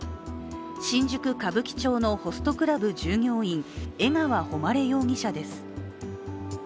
新宿・歌舞伎町のホストクラブ従業員江川誉容疑者です。